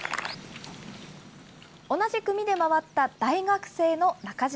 同じ組で回った大学生の中島。